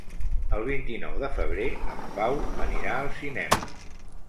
El vint-i-nou de febrer en Pau anirà al cinema.